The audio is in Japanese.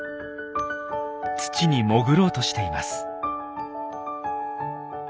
土に潜ろうとしています。